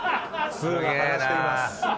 ツウが話しています。